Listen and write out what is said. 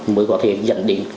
mới có thể dẫn đến